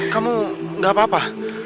kamu gak apa apa